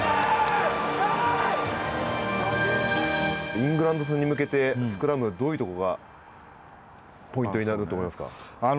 イングランド戦に向けてスクラムはどういうところがポイントになると思いますか。